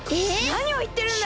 なにをいってるんだ！